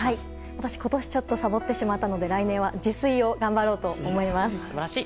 私、今年ちょっとさぼってしまったので来年は自炊を頑張ろうと思います。